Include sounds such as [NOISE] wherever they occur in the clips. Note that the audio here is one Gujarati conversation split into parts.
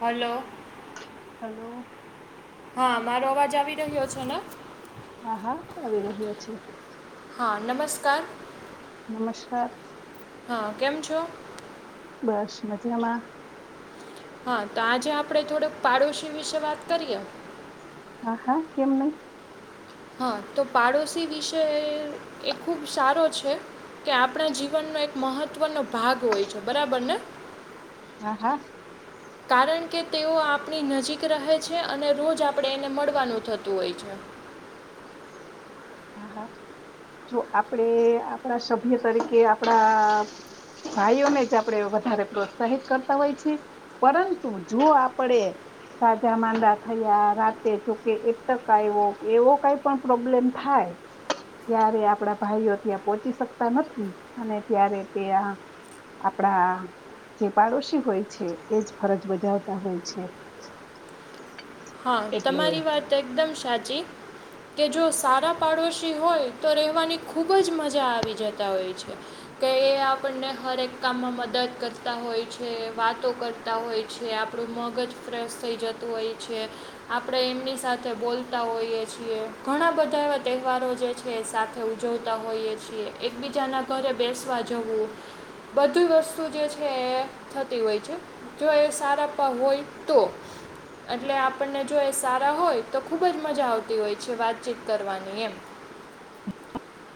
હલો હલો હા મારો અવાજ આવી રહ્યો છે ને? હા હા આવી રહ્યો છે. હા નમસ્કાર નમસ્કાર હા કેમ છો? બસ મજામાં હા તો આજે આપણે થોડુક પાડોશી વિશે વાત કરીએ. હા હા કેમ નહી હા તો પાડોશી વિશે એ ખુબ સારો છે. કે આપણા જીવનનો એક મહત્વનો ભાગ હોય છે બરાબર ને હા હા કારણ કે તેઓ આપણી નજીક રહે છે અને રોજ આપણે એને મળવાનું થતું હોય છે. [INAUDIBLE] હા હા જો આપણે આપણા સભ્ય તરીકે આપણા ભાઈઓને જ આપણે વધારે પ્રોત્સાહિત કરતા હોય છે પરંતુ જો આપણે સાજા માંદા થયા રાતે જોકે એટક આવ્યો એવો કઈ પણ પ્રોબ્લેમ થાઈ ત્યારે આપડા ભાઈઓ ત્યાં પોહોચી શકતા નથી અને ત્યારે તે આ આપડા જે પાડોશી હોય છે એજ ફરજ બજાવતા હોય છે [INAUDIBLE] હા એટલે તમારી વાત એકદમ સાચી કે જો સારા પાડોશી હોય તો રહેવાની ખૂબ જ મજા આવી જતા હોય છે કે એ આપણને હરેક કામમાં મદદ કરતા હોય છે વાતોઓ કરતા હોય છે આપ થોડું મગજ ફ્રેશ થઈ જતું હોય છે આપણે એમની સાથે બોલતા હોઈએ છીએ ઘણા બધા એવા તહેવારો જે છે સાથે ઉજવતા હોઈએ છીએ એકબીજાના ઘરે બેસવા જવું બધી વસ્તુ જે છે એ થતી હોય છે જો એ સારા પા હોય તો એટલે આપણને જો એ સારા હોય તો ખુબ જ મજા આવતી હોય છે વાતચીત કરવાની એમ [INAUDIBLE]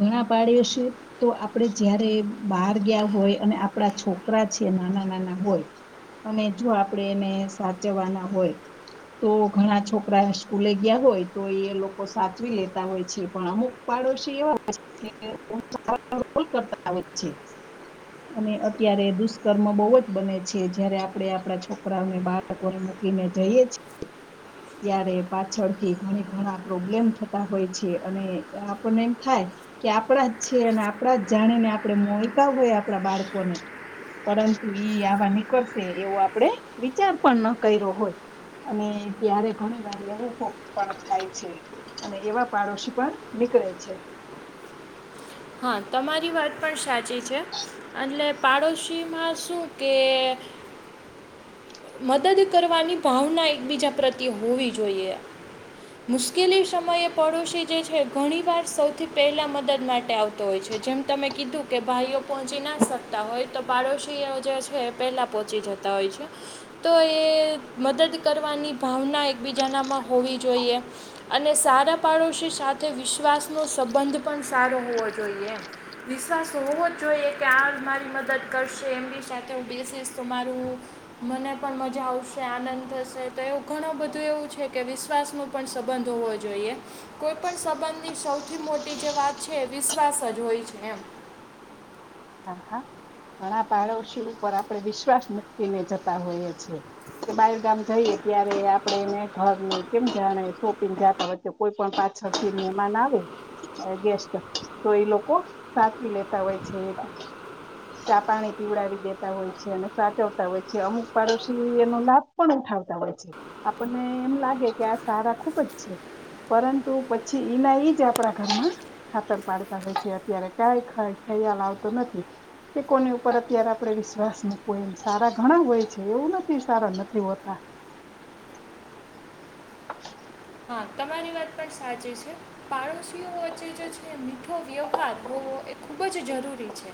ઘણા પાઇડોસીઓ તો આપડે જ્યારે બહાર ગયા હોય અને આપડા છોકરા છે નાના નાના હોય અને જો આપણેે એને સાચવાના હોય તો ઘણા છોકરા સ્કૂલે ગયા હોય તો એ લોકો સાચવી લેતા હોય છે પણ અમુક પા દોશી રોલ કરતા હોય છે અને અત્યારે દુષ્કર્મ બહુ જ બને છે જ્યારે આપડે આપડા છોકરાઓને બાળકોને મૂક કીને જઈએ છી ત્યારે પાછળથી ઘણી ઘણા પ્રોબ્લેમ થતા હોય છે અને આપણને એમ થાય કે આપણા જ છે અને આપણા જ જાણીને આપણે મોઈકા હોય આપણા બાળકોને પરંતુ ઈ આવા નીકળશે એવો આપડે વિચાર પણ ન કર્યો હોય અને ત્યારે ઘણી વાર એવું કો પણ થાય છે અને એવા પાડોશી પણ ની નીકળે છે હા તમારી વાત પણ સાચી છે એટલે પાડોશીમાં શું કે [INAUDIBLE] મદદ કરવાની ભાવના એકબીજા પ્રત્યે હોવી જોઈએ મુશ્કેલી સમયે પડોશી જે છે ઘણી વાર સૌથી પહેલા મદદ માટે આવતો હોય છે જેમ તમે કીધું કે ભાઈઓ પહોંચી ના શકતા હોય તો પાડોશી જે છે એ પહેલાં પહોંચી જતા હોય છે તો એ મદદ કરવાની ભાવના એકબીજાનામાં હોવી જોઈએ અને સા સારા પાડોશી સાથે વિશ્વાસનો સંબંધ પણ સારો હોવો જોઈએ એમ વિશ્વાસ હો હોવો જ જોઈએ કે આ જ મારી મદદ કરશે એમની સાથે હું બેસીસ તો મારું મને પણ મજા આવશે આનંદ થશે તો એવું ઘણું બધું એવું છે કે વિશ્વાસનો પણ સંબંધ હોવો જોઈએ એ કોઈ પણ સંબંધની સૌથી મોટી જે વાત છે વિશ્વાસ જ હોય છે એમ હા હા ઘણા પાડોશી ઉપર આપણે વિશ્વાસ મૂકીને જતા હોઈએ છીએ કે બારગામ જઈએ ત્યારે આપડે એને ઘર કેમ જાણે શોપિંગ જાતા હોય કોઈ પણ પા છ થી મહેમાન આવે ગેસ્ટ તો એ લોકો સાચવી લેતા હોય છે એ બા ચા પાણી પીવડાવી દેતા હોય છે અને સાચવતા હોય છે અમુક પાડોશી એનો લાભ પણ ઉઠાવે હોય છે આપણને એમ લાગે કે આ સારા ખુબ જ છે પરંતુ પછી ઈના ઈજ આપણા ઘરમાં ખાતર પાડતા હોય છે અત્યારે કંઈ ખાડ ખયાલ આવતો નથી કે કોની ઉપર અત્યારે આપડે વિશ્વાસ મૂકવો એમ સારા ઘણા હોય છે એવું નથી સારા નથી હોતા [INAUDIBLE] [INAUDIBLE] [UNINTELLIGIBLE] હા તમારી વાત પણ સાચી છે પાડો સી વચ્ચે જે છે મીઠો વ્યવહાર હોવો એ ખૂબ જ જરૂરી જરૂરી છે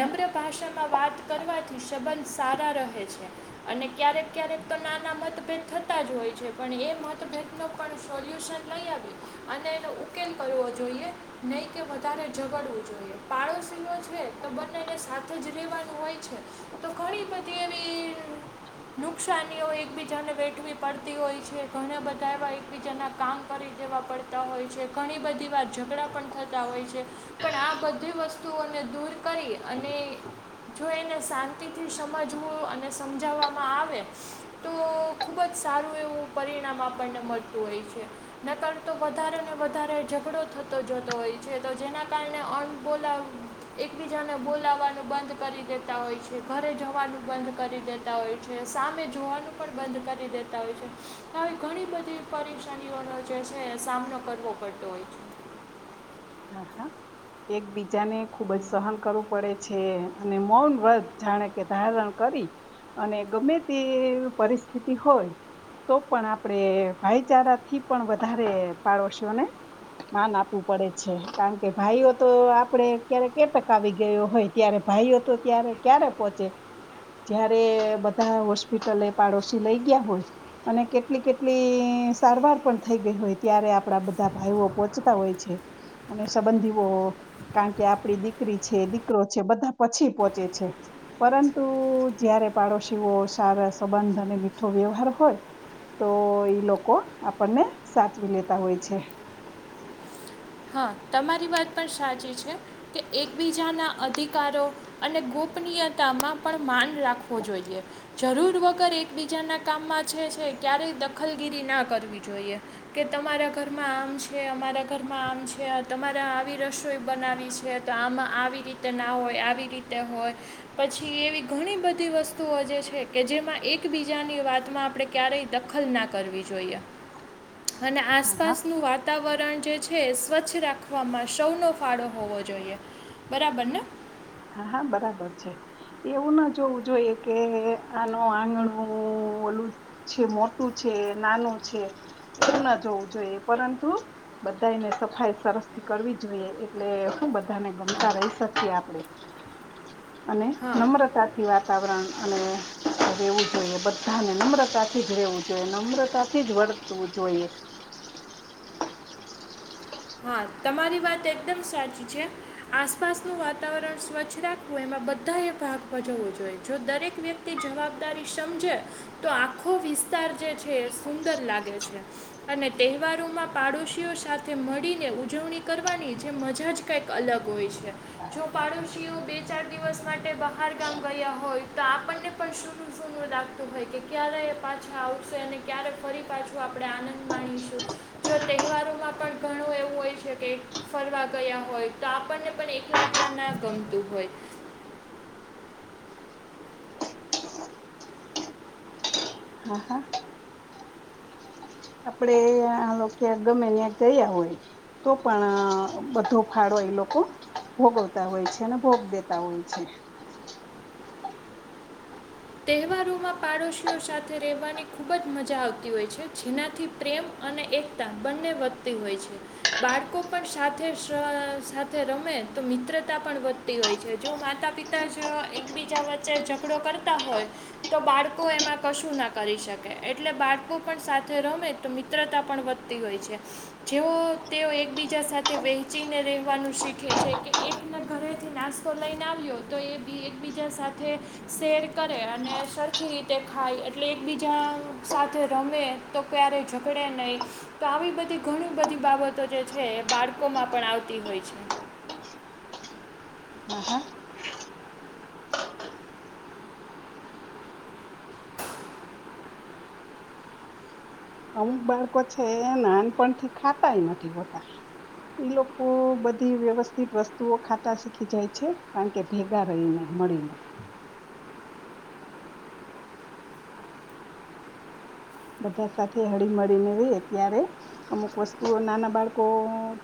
નમ્ર ભાષામાં વાત કરવાથી સંબંધ સારા રહે છે અને ક્યારેક ક્યારેક તો નાના મતભેદ થતા જ હોય છે પણ એ મતભેદનો પણ સોલ્યુશન લઈ આવી અને એનો ઉકેલ કરવો જોઈએ નહીં કે વધારે ઝઘડવું જોઈએ પાડોશીલો છે તો બંનેને સાથે જ રેવાનું હોય છે તો ઘણી બધી એવી [INAUDIBLE] નુકસાનીઓ એકબીજાને વેઠવી પડતી હોય છે ઘણાં બધા એવા બીજાના કામ કરી દેવા પડતા હોય છે ઘણી બધી વાર ઝઘડા પણ થતા હોય છે પણ આ આ બધી વસ્તુઓને દૂર કરી અને જો એને શાંતિથી સમજવું અને સમજાવવામાં આવે તો ખુબ જ સારું એવું પરિણામ આપણને મળતું હોય છે નકરતો વધારે ને વધારે ઝઘડો થતો જતો હોય છે તો જેના કારણે આમ બોલાવ એકબીજાને બોલાવવાનું બંધ કરી દેતા હોય છે ઘરે જવાનું બંધ કરી દેતા હોય છે સામે જોવાનું પણ બંધ કરી દેતા હોય છે આવી ઘણી બધી પરેશાનીઓનો જે છે સામનો કરવો પડતો હોય છે હા હા એકબીજાને ખુબ જ સહન કરવું પડે છે અને મૌન વ્રત જાણે કે ધારણ કર અને ગમે તે પરિસ્થિતિ હોય તો પણ આપણે ભાઈચારાથી પણ વધારે પડોશીઓને માન આપવું પડે છે કારણ કે ભાઈઓતો આપડે ક્યારે કેટક આવી ગયો હોય ત્યારે ભાઈઓતો ત્યારે ક પોહોચે જયારે બધા હોસ્પિટલે પાડોશી લઈ ગયા હોય અને કેટલી કેટલી સારવાર પણ થઈ ગઈ હોય ત્યારે આપણા બધા ભાઈઓ પોહોંચતા હોય છે અને સંબંધીઓ કારણ કે આપડી દીકરી છે દીકરો છે બધા પછી પોહોંચે છે પરંતુ જયારે પાડોશીઓ સારા સંબંધ અને મીઠો વ્યવહાર હોય તો ઈ લોકો આપણને સાચવી લેતા હોય છે હા તમારી વાત પણ સાચી છે કે એકબીજાના અધિકારો અને ગુપ્ત નિયતામાં પણ માન રાખવો જોઈએ જરૂર વગર એકબીજાના કામમાં છે ક્યારેય દખલગીરી ના કરવી જોઈએ કે તમારા ઘરમાં આમ છે અમારા ઘર આમ છે તમારે આવી રસોઈ બનાવી છે તો આમાં આવી રીતે ના હોય આવી રીતે હોય પછી એવી ઘણી બધી વસ્તુઓ જે છે કે જેમાં એકબીજાની વાતમાં આપણે ક્યારેય દખલ ના કરવી જોઈએ [INAUDIBLE] અને આસપાસનું વાતાવરણ જે છે છે સ્વચ્છ રાખવામાં સૌનો ફાળો હોવો જોઈએ બરાબર ને હા હા બરાબર છે એવું ના જોવું જોઈએ કે આનો આંગણું ઓલું છે મોટું છે નાનું છે એ ન જોવું જોઈએ પરંતુ બધાને સફાઈ સરસથી કરવી જોઈએ એટલે હું બધાને ગમતા રહી શકીએ આપડે અને હા નમ્રતાથી વાતાવરણ અને રહેેવું જોઈએ બધાને નમ્રતાથી જ રહેેવું જોઈએ નમ્રતાથી જ વર્તવું જોઈએ [INAUDIBLE] હા તમારી વાત એકદમ સાચી છે આસપાસનું વાતાવરણ સ્વચ્છ રાખવું એમાં બધાએ ભાગમાં જવવો જોઈએ જો દરેક વ્યક્તિ જવાબદારી સમજે તો આખો વિસ વિસ્તાર જે છે સુંદર લાગે છે અને તહેવારોમાં પાડોશીઓ સાથે મળીને ઉજવણી કરવાની જે મજા જ કઈક અલગ હોય છે જો પાડોશીઓ બે ચાર દિવસ માટે બહાર ગામ ગયા હોય તો આપણને પણ સૂનું સૂનું લાગતું હોય કે ક્યારે એ પાછા આવશે અને ક્યારે ફરી પાછો આપણે આનંદ માણીશું જો તહેવારોમાં પણ ઘણું એવું હોય છે કે ફરવા ગયા હોય તો આપણને પણ એકલા એકલા ના ગમતું હોય [INAUDIBLE] હા હા આપડે આ લોકને ન્યા ગમે ન્યા ગયા હોય તો પણ બધો ફાળો એ લોકો ભોગવતા હોય છે અને ભોગ દેતા હોય છે તહેવારોમાં પાડોશીઓ સાથે રહેવાની ખૂબ જ મજા આવતી હોય છે જેનાથી પ્રેમ અને એકતા બંને વધતી હોય છે બાળકો પણ સાથે સાથે રમે તો મિત્રતા પણ વધતી હોય છે જો માતા પિતા જ એકબીજા વચ્ચે ઝઘડો કરતા હોય તો બાળકો એમાં કશું ના કરી શકે એટલે બાળકો પણ સાથે રમે તો યે મિત્રતા પણ વધતી હોય છે જેઓ તેઓ એકબીજા સાથે વહેચીને રહેવાનું શીખે એ છે કે એક ના ઘરેથી નાસ્તો લઈને આવ્યો તો એ એકબીજા સાથે શેર કરે અને સરખી રીતે ખાય એટલે એકબીજા સાથે રમે તો ક્યારે ઝગડે પડે નહીં તો આવી બધી ઘણી બધી બાબતો જે છે એ બાળકોમાં પણ આવતી હોય છે. [UNINTELLIGIBLE] હા અમુક બાળકો છે નાનપણથી ખાતાય નથી હોતા. એ લોકો બધી વ્યવસ્થિત વસ્તુઓ ખાતા શીખી જાય છે કારણ કે ભેગા રહીને. મળીને. બધા સાથે હળી મળીને રે ત્યારે અમુક વસ્તુ નાના બાળકો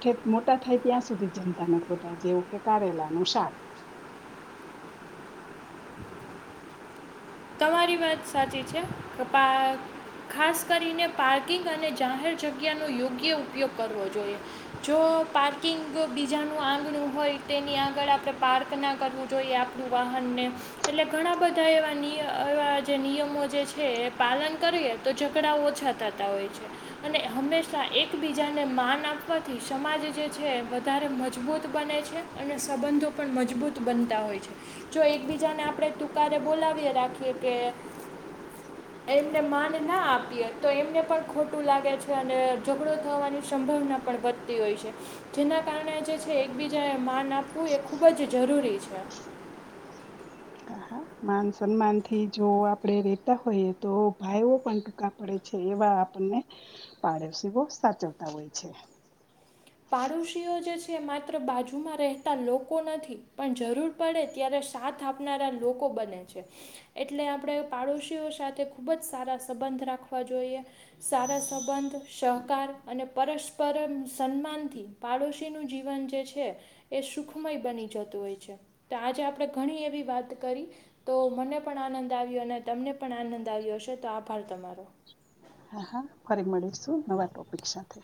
ઠેટ મોટા થાય ત્યાં સુધી જમતા ન હોતા જેવું કે કારેલાનુ શાક તમારી વાત સાચી છે, પપ્પા ખાસ કરીને પાર્કિંગ અને જાહેર જગ્યાનો યોગ્ય ઉપયોગ કરવો જોઈએ જો પાર્કિંગ બીજાનું આંગણું હોય તેની આગળ આપણે પાર્ક ના કરવું જોઈએ આપણું વાહ હને એટલે ઘણા બધા એવા નિ અર વાળા જે નિયમો જે છે, એ પાલન કરીએ તો ઝઘડા ઓછા થતા હોય છે, અને હંમેશા એકબીજાને માન આપવાથી સમાજ જે છે, વધારે મજબૂત બને છે. અને સંબંધો પણ મજબૂત બનતા હોય છે, જો એકબીજાને આપણે તુકારે બોલાવીયા રા ખીયે કે એમને માન ના આપીએ તો એમને પણ ખોટું લાગે છે, અને ઝઘડો થવાની શ ભાવના પણ વધતી હોય છે, જેના કારણે જે છે, એકબીજાએ માન આપવું એ ખૂબ જ જરૂ રૂરી છે. [INAUDIBLE] માન સન્માનથી જો આપડે રેતા હોઈએ તો ભાઈઓ પણ ટૂંકા પડે છે, એવા આપને પાડોસીવો સાચવતા હોય છે. પાડોશીઓ જે છે, માત્ર બાજુમાં રહેતા લોકો નથી પણ જરૂર પડે ત્યારે સાથ આપનારા લોકો બને છે, એટલે આપણે પાડોશી સાથે ખુબ જ સારા સબં બંધ રાખવા જોઈએ સારા સંબંધ સહકાર અને પરસ્પર સન્માનથી પાડોશીનું જીવન જે છે, એ સુખમય બની જતું હોય છે, તો આજે આપણે ઘણી એવી વાત કરી તો મને પણ આનંદ આવ્યો અને તમને પણ આનંદ આવ્યો હશે તો આભાર તમારો હા હા ફરી મળીશું નવા ટોપિક સાથે